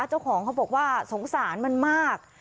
เจ้าของเขาบอกว่าสงสารมันมาก